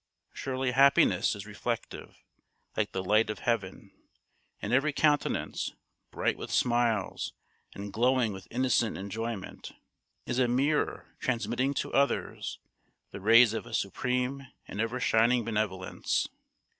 Surely happiness is reflective, like the light of heaven; and every countenance, bright with smiles, and glowing with innocent enjoyment, is a mirror transmitting to others the rays of a supreme and ever shining benevolence.